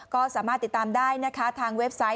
ก็สามารถติดตามได้นะคะทางเว็บไซต์